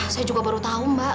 saya juga baru tahu mbak